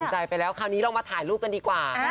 ใจไปแล้วคราวนี้เรามาถ่ายรูปกันดีกว่า